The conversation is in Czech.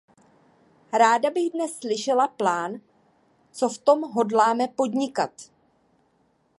Ráda bych dnes slyšela plán, co v tom hodláme podnikat.